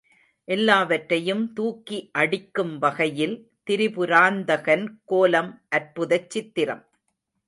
எல்லாவற்றையும் தூக்கி அடிக்கும் வகையில் திரிபுராந்தகன் கோலம் அற்புதச் சித்திரம்.